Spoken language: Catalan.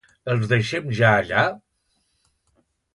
Els deixem ja allà?